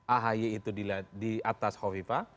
ahaye itu di atas hovipa